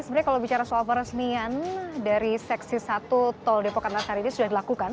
sebenarnya kalau bicara soal peresmian dari seksi satu tol depok antasari ini sudah dilakukan